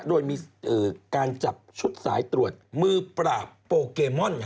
โดยมีการจับชุดสายตรวจมือปราบโปเกมอน